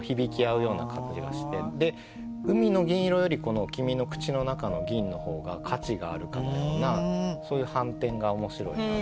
で海の銀色より「きみ」の口の中の銀の方が価値があるかのようなそういう反転が面白いなと。